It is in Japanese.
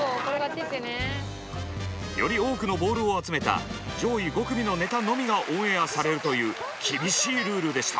より多くのボールを集めた上位５組のネタのみがオンエアされるという厳しいルールでした。